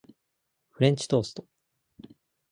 フレンチトースト